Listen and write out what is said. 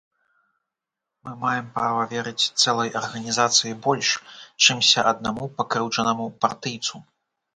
Мы маем права верыць цэлай арганізацыі больш, чымся аднаму пакрыўджанаму партыйцу.